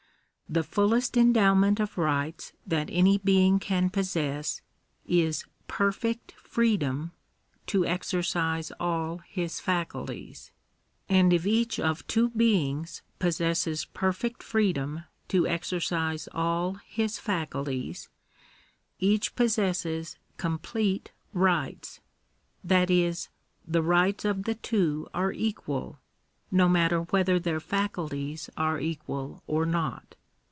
The fullest endowment of rights that any being oan possess, is perfect freedom to exer cise all his faculties. And if each of two beings possesses perfect freedom to exercise all his faculties, each possesses complete rights; that is, the rights of the two are equal; no matter whether their faculties are equal or not.